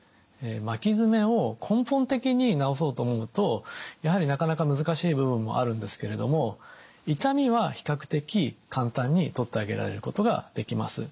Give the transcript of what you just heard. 巻き爪を根本的に治そうと思うとやはりなかなか難しい部分もあるんですけれども痛みは比較的簡単に取ってあげられることができます。